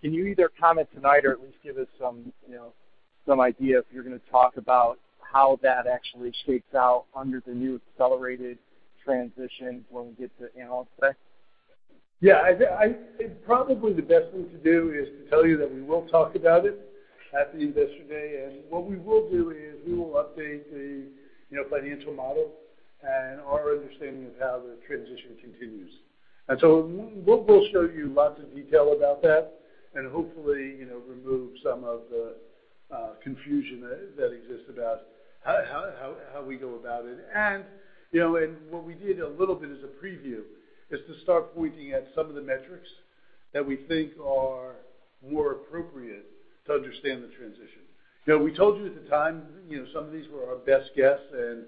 Can you either comment tonight or at least give us some idea if you are going to talk about how that actually shakes out under the new accelerated transition when we get to Analyst Day? Yeah, probably the best thing to do is to tell you that we will talk about it at the Investor Day. What we will do is we will update the financial model and our understanding of how the transition continues. We'll show you lots of detail about that and hopefully remove some of the confusion that exists about how we go about it. What we did a little bit as a preview is to start pointing at some of the metrics that we think are more appropriate to understand the transition. We told you at the time some of these were our best guess and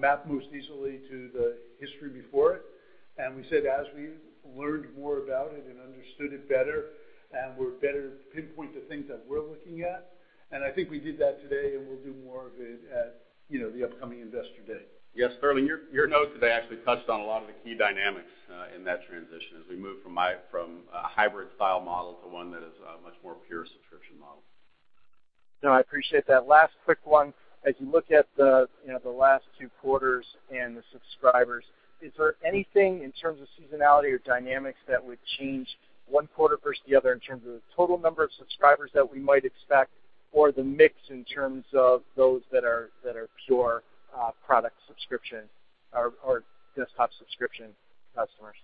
map most easily to the history before it. We said as we learned more about it and understood it better, and we're better to pinpoint the things that we're looking at. I think we did that today, and we'll do more of it at the upcoming Investor Day. Yes, Sterling, your note today actually touched on a lot of the key dynamics in that transition as we move from a hybrid-style model to one that is a much more pure subscription model. No, I appreciate that. Last quick one. As you look at the last two quarters and the subscribers, is there anything in terms of seasonality or dynamics that would change one quarter versus the other in terms of the total number of subscribers that we might expect, or the mix in terms of those that are pure product subscription or desktop subscription customers?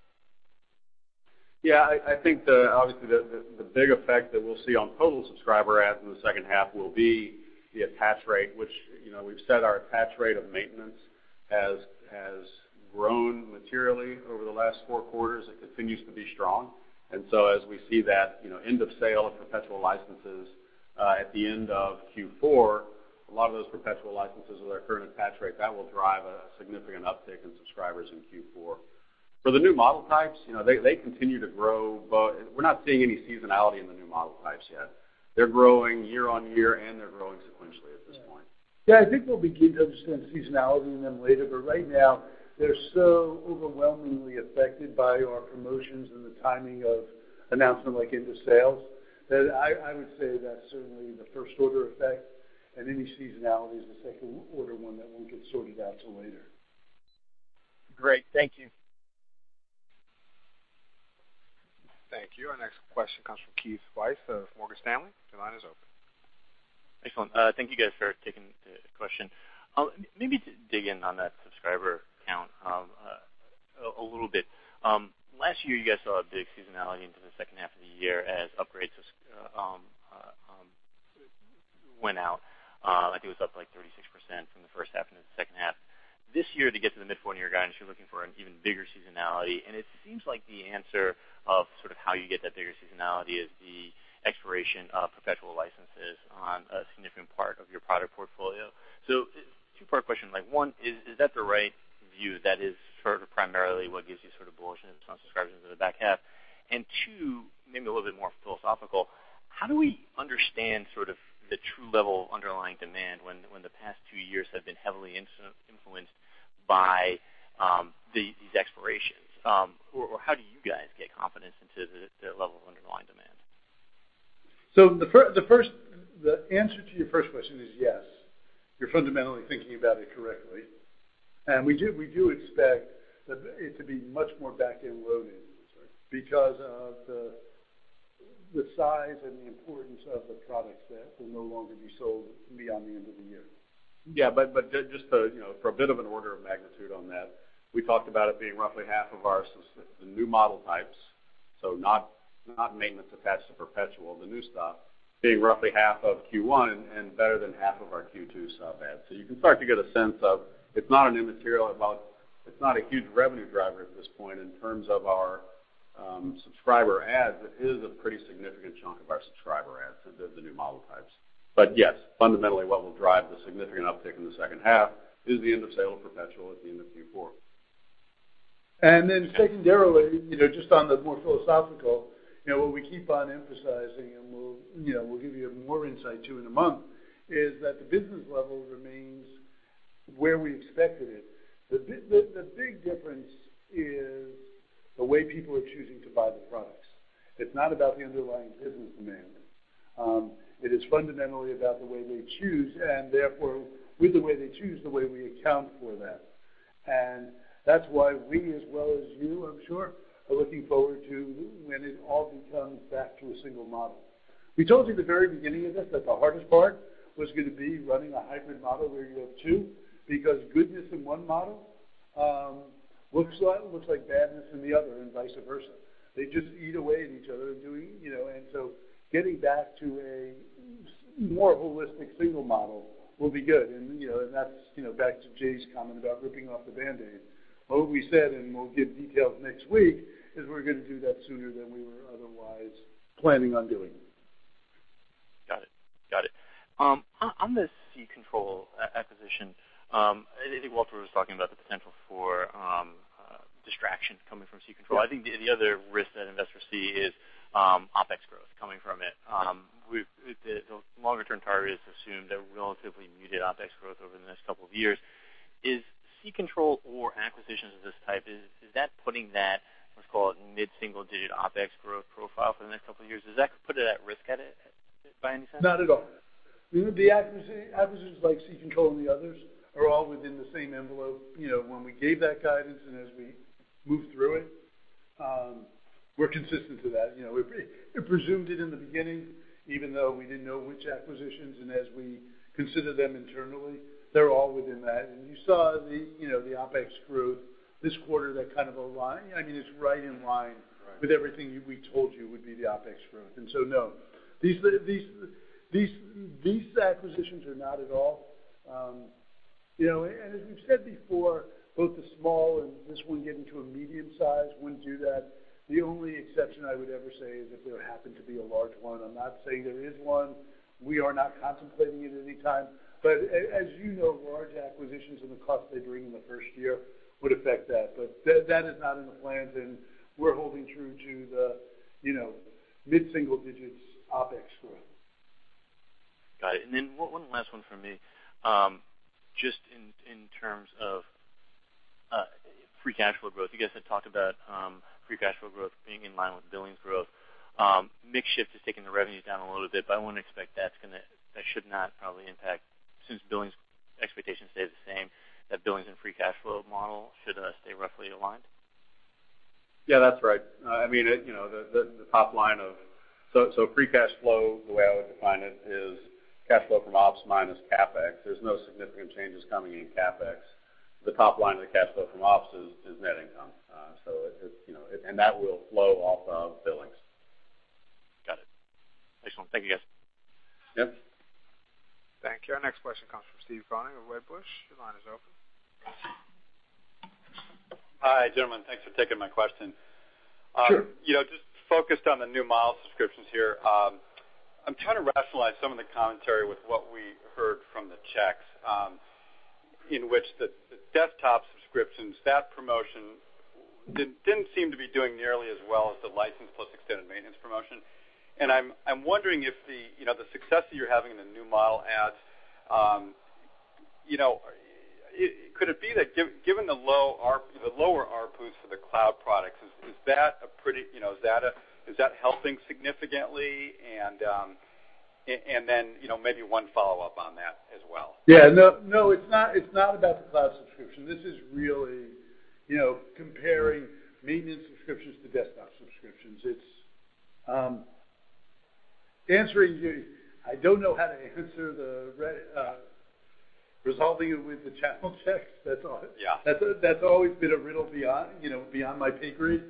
I think obviously the big effect that we'll see on total subscriber adds in the second half will be the attach rate, which we've said our attach rate of maintenance has grown materially over the last four quarters. It continues to be strong. As we see that end-of-sale of perpetual licenses at the end of Q4, a lot of those perpetual licenses with our current attach rate, that will drive a significant uptick in subscribers in Q4. For the new model types, they continue to grow, but we're not seeing any seasonality in the new model types yet. They're growing year-on-year, and they're growing sequentially at this point. I think we'll begin to understand seasonality in them later, but right now they're so overwhelmingly affected by our promotions and the timing of announcement like end of sales, that I would say that's certainly the first-order effect, and any seasonality is a second-order one that won't get sorted out till later. Great. Thank you. Thank you. Our next question comes from Keith Weiss of Morgan Stanley. Your line is open. Excellent. Thank you, guys, for taking the question. Maybe to dig in on that subscriber count a little bit. Last year, you guys saw a big seasonality into the second half of the year as upgrades went out. I think it was up like 36% from the first half into the second half. This year, to get to the mid-single-year guidance, you're looking for an even bigger seasonality. It seems like the answer of sort of how you get that bigger seasonality is the expiration of perpetual licenses on a significant part of your product portfolio. Two-part question. One, is that the right view that is sort of primarily what gives you sort of bullishness on subscriptions in the back half? Two, maybe a little bit more philosophical, how do we understand sort of the true level of underlying demand when the past two years have been heavily influenced by these expirations? How do you guys get confidence into the level of underlying demand? The answer to your first question is yes. You're fundamentally thinking about it correctly. We do expect it to be much more back-end loaded because of the size and the importance of the products that will no longer be sold beyond the end of the year. Just for a bit of an order of magnitude on that, we talked about it being roughly half of the new model types, so not maintenance attached to perpetual, the new stuff being roughly half of Q1 and better than half of our Q2 sub adds. You can start to get a sense of it's not a huge revenue driver at this point in terms of our subscriber adds, but it is a pretty significant chunk of our subscriber adds to the new model types. Yes, fundamentally what will drive the significant uptick in the second half is the end-of-sale perpetual at the end of Q4. Secondarily, just on the more philosophical, what we keep on emphasizing and we'll give you more insight to in a month, is that the business level remains where we expected it. The big difference is the way people are choosing to buy the products. It's not about the underlying business demand. It is fundamentally about the way they choose, and therefore with the way they choose, the way we account for that. That's why we, as well as you, I'm sure, are looking forward to when it all becomes back to a single model. We told you at the very beginning of this that the hardest part was going to be running a hybrid model where you have two, because goodness in one model looks like badness in the other and vice versa. They just eat away at each other. Getting back to a more holistic single model will be good, and that's back to Jay's comment about ripping off the Band-Aid. What we said, and we'll give details next week, is we're going to do that sooner than we were otherwise planning on doing it. Got it. On the SeeControl acquisition, I think Walter was talking about the potential for distraction coming from SeeControl. I think the other risk that investors see is OpEx growth coming from it. The longer-term targets assume that relatively muted OpEx growth over the next couple of years. Is SeeControl or acquisitions of this type, is that putting that, let's call it mid-single-digit OpEx growth profile for the next couple of years, does that put it at risk by any sense? Not at all. The acquisitions like SeeControl and the others are all within the same envelope. When we gave that guidance and as we move through it, we're consistent to that. We presumed it in the beginning, even though we didn't know which acquisitions, and as we consider them internally, they're all within that. You saw the OpEx growth this quarter that is right in line- Right with everything we told you would be the OpEx growth. No, these acquisitions are not at all. As we've said before, both the small and this one getting to a medium size wouldn't do that. The only exception I would ever say is if there happened to be a large one. I'm not saying there is one. We are not contemplating it any time. As you know, large acquisitions and the costs they bring in the first year would affect that. That is not in the plans, and we're holding true to the mid-single digits OpEx growth. Got it. One last one from me. Just in terms of free cash flow growth, you guys had talked about free cash flow growth being in line with billings growth. Mix shift has taken the revenues down a little bit, I want to expect that should not probably impact, since billings expectations stay the same, that billings and free cash flow model should stay roughly aligned. Yeah, that's right. Free cash flow, the way I would define it, is cash flow from ops minus CapEx. There's no significant changes coming in CapEx. The top line of the cash flow from ops is net income. That will flow off of billings. Got it. Thanks a lot. Thank you, guys. Yep. Thank you. Our next question comes from Steve Koenig of Wedbush. Your line is open. Hi, gentlemen. Thanks for taking my question. Sure. Just focused on the new model subscriptions here. I'm trying to rationalize some of the commentary with what we heard from the checks, in which the desktop subscriptions, that promotion didn't seem to be doing nearly as well as the license plus extended maintenance promotion. I'm wondering if the success that you're having in the new model adds, could it be that given the lower ARPUs for the cloud products, is that helping significantly? Then maybe one follow-up on that as well. Yeah. No. It's not about the cloud subscription. This is really comparing maintenance subscriptions to desktop subscriptions. I don't know how to answer the resolving it with the channel checks. Yeah. That's always been a riddle beyond my pay grade.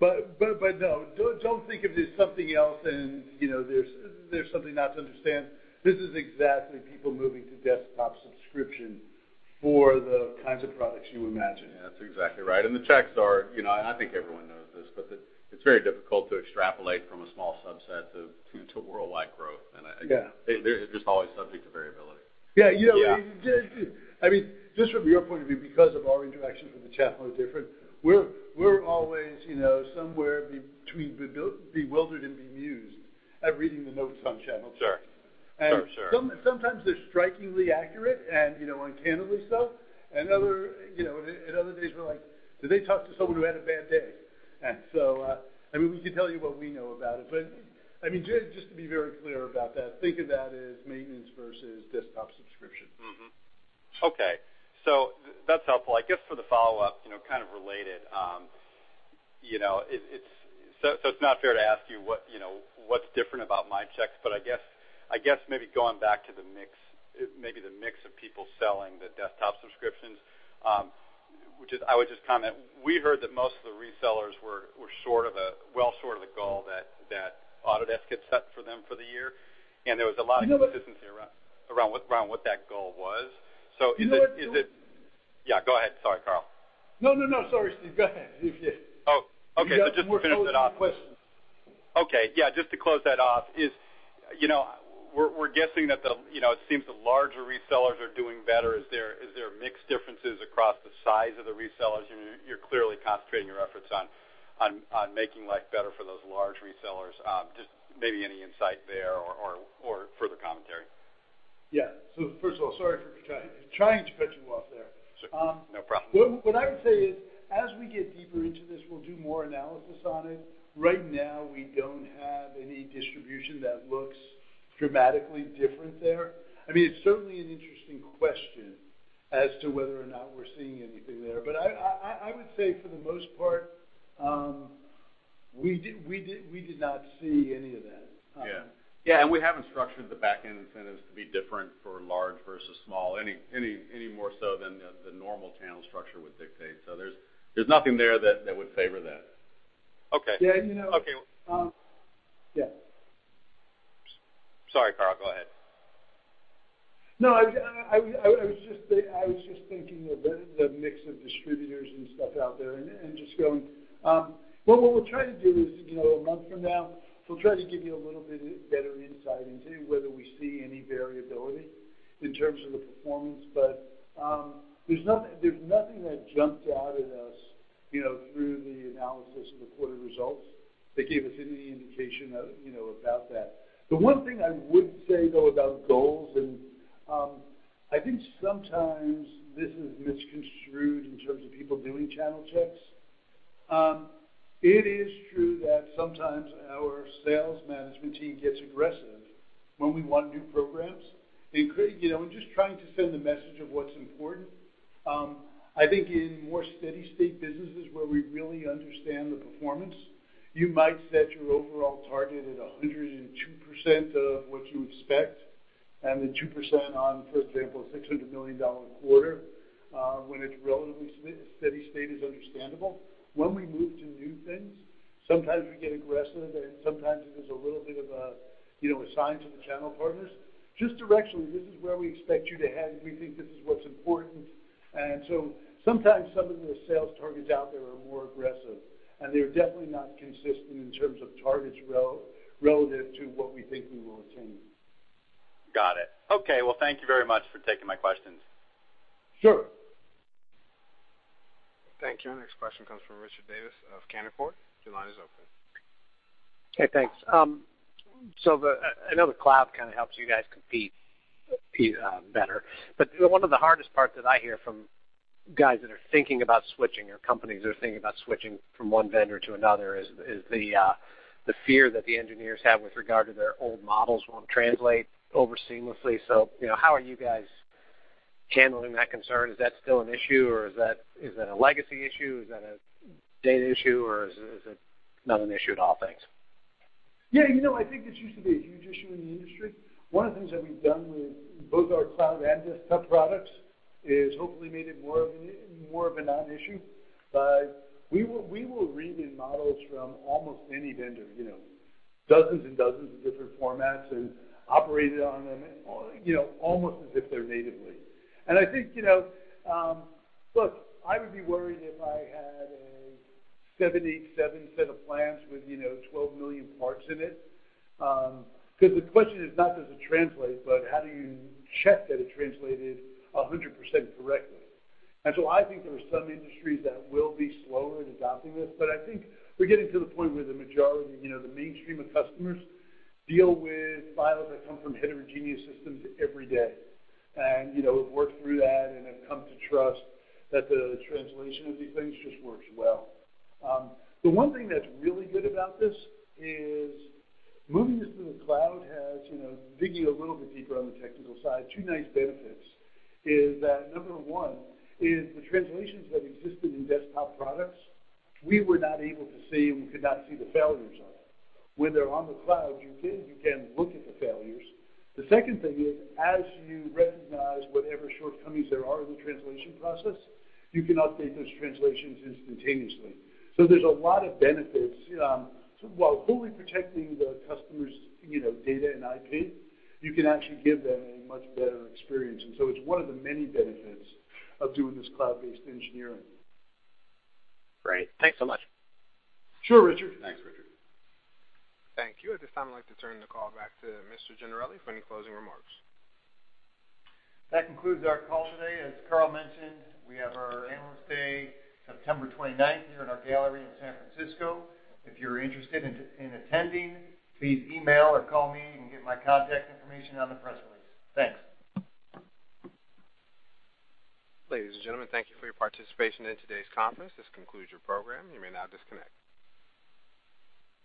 No, don't think of this something else and there's something not to understand. This is exactly people moving to desktop subscription for the kinds of products you imagine. That's exactly right. The checks are, I think everyone knows this, but it's very difficult to extrapolate from a small subset to worldwide growth. Yeah. They're just always subject to variability. Yeah. Yeah. Just from your point of view, because of our interaction from the channel are different, we're always somewhere between bewildered and bemused at reading the notes on channel checks. Sure. Sometimes they're strikingly accurate and uncannily so, and other days we're like, "Did they talk to someone who had a bad day?" We could tell you what we know about it, but just to be very clear about that, think of that as maintenance versus desktop subscription. That's helpful. I guess for the follow-up, kind of related, it's not fair to ask you what's different about my checks, but I guess maybe going back to the mix of people selling the desktop subscriptions, which I would just comment, we heard that most of the resellers were well short of the goal that Autodesk had set for them for the year. No, but- consistency around what that goal was. No. Yeah, go ahead. Sorry, Carl. No, sorry, Steve. Go ahead. Oh, okay. Just to finish that off. You've got more closely questions. Okay. Yeah, just to close that off, we're guessing that it seems the larger resellers are doing better. Is there mixed differences across the size of the resellers? You're clearly concentrating your efforts on making life better for those large resellers. Just maybe any insight there or further commentary? Yeah. First of all, sorry for trying to cut you off there. No problem. What I would say is, as we get deeper into this, we'll do more analysis on it. Right now, we don't have any distribution that looks dramatically different there. It's certainly an interesting question as to whether or not we're seeing anything there. I would say for the most part, we did not see any of that. Yeah. We haven't structured the back-end incentives to be different for large versus small, any more so than the normal channel structure would dictate. There's nothing there that would favor that. Okay. Yeah. Sorry, Carl, go ahead. I was just thinking of the mix of distributors and stuff out there. What we'll try to do is, a month from now, we'll try to give you a little bit better insight into whether we see any variability in terms of the performance. There's nothing that jumped out at us through the analysis of the quarter results that gave us any indication about that. The one thing I would say, though, about goals, and I think sometimes this is misconstrued in terms of people doing channel checks. It is true that sometimes our sales management team gets aggressive when we want new programs. Just trying to send the message of what's important. I think in more steady state businesses where we really understand the performance, you might set your overall target at 102% of what you expect. The 2% on, for example, a $600 million quarter, when it's relatively steady state is understandable. We move to new things, sometimes we get aggressive, sometimes there's a little bit of a sign to the channel partners. Just directionally, this is where we expect you to head. We think this is what's important. Sometimes some of the sales targets out there are more aggressive, and they're definitely not consistent in terms of targets relative to what we think we will attain. Got it. Okay. Well, thank you very much for taking my questions. Sure. Thank you. Next question comes from Richard Davis of Canaccord. Your line is open. Okay, thanks. I know the cloud kind of helps you guys compete better. One of the hardest parts that I hear from guys that are thinking about switching or companies that are thinking about switching from one vendor to another is the fear that the engineers have with regard to their old models won't translate over seamlessly. How are you guys handling that concern? Is that still an issue, or is it a legacy issue? Is that a data issue, or is it not an issue at all? Thanks. Yeah, I think this used to be a huge issue in the industry. One of the things that we've done with both our cloud and desktop products is hopefully made it more of a non-issue. We will read in models from almost any vendor, dozens and dozens of different formats and operate it on them, almost as if they're natively. Look, I would be worried if I had a 77 set of plans with 12 million parts in it. Because the question is not does it translate, but how do you check that it translated 100% correctly? I think there are some industries that will be slower in adopting this, but I think we're getting to the point where the majority, the mainstream of customers deal with files that come from heterogeneous systems every day. Work through that and have come to trust that the translation of these things just works well. The one thing that's really good about this is moving this to the cloud has, digging a little bit deeper on the technical side, two nice benefits. Is that number 1 is the translations that existed in desktop products, we were not able to see and we could not see the failures of it. When they're on the cloud, you can look at the failures. The second thing is, as you recognize whatever shortcomings there are in the translation process, you can update those translations instantaneously. There's a lot of benefits. While fully protecting the customer's data and IP, you can actually give them a much better experience. It's one of the many benefits of doing this cloud-based engineering. Great. Thanks so much. Sure, Richard. Thanks, Richard. Thank you. At this time, I'd like to turn the call back to Mr. Gennarelli for any closing remarks. That concludes our call today. As Carl mentioned, we have our Analyst Day September 29th here in our gallery in San Francisco. If you're interested in attending, please email or call me, you can get my contact information on the press release. Thanks. Ladies and gentlemen, thank you for your participation in today's conference. This concludes your program. You may now disconnect.